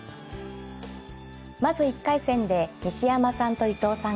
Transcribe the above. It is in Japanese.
まず１回戦で西山さんと伊藤さんが対戦。